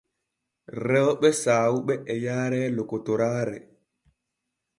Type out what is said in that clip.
Rewɓe saawuɓe e yaare lokotoraare.